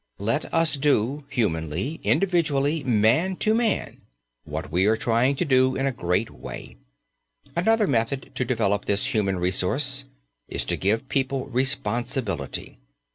Let us do humanly, individually, man to man, what we are trying to do in a great big way. Another method to develop this human resource is to give people responsibility.